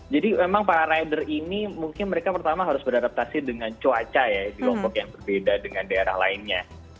jadi memang para rider ini mungkin mereka pertama harus beradaptasi dengan cuaca ya di lombok yang berbeda dengan daerah lainnya